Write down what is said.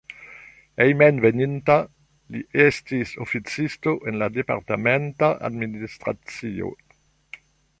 Hejmenveninta li estis oficisto en la departementa administracio.